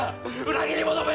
裏切り者め！